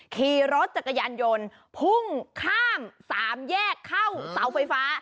ขี่รถจักรยานยนต์พุ่งข้ามสามแยกเข้าเสาไฟฟ้า